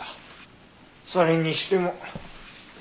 それにしても。